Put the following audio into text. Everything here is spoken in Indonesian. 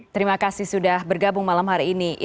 terima kasih sudah bergabung malam hari ini